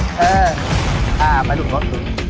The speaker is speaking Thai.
ค่ะไปหลุมเขา